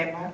ở trẻ em